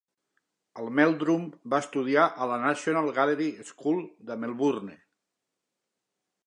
En Meldrum va estudiar a la National Gallery School de Melbourne.